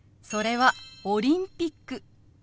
それは「オリンピック」。